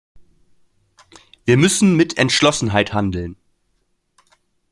Wir müssen mit Entschlossenheit handeln.